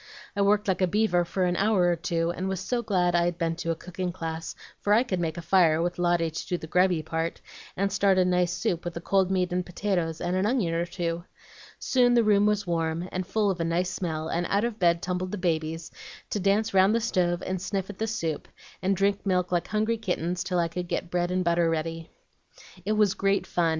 I worked like a beaver for an hour or two, and was so glad I'd been to a cooking class, for I could make a fire, with Lotty to do the grubby part, and start a nice soup with the cold meat and potatoes, and an onion or so. Soon the room was warm, and full of a nice smell, and out of bed tumbled 'the babies,' to dance round the stove and sniff at the soup, and drink milk like hungry kittens, till I could get bread and butter ready. "It was great fun!